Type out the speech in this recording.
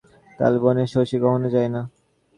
তালবনে শশী কখনো যায় না।